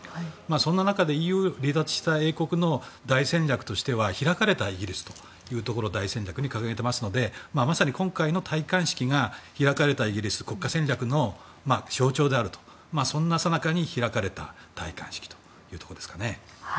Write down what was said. その中で英国の大戦略としては開かれたイギリスを大戦略に掲げているのでまさに今回の戴冠式が開かれたイギリス国家戦略の象徴であるというさなかに開かれた戴冠式というところですかね。